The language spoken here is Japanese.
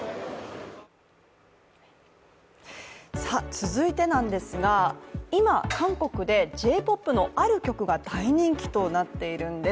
続いてなんですが、今韓国でＪ‐ＰＯＰのある曲が大人気となっている曲があるんです。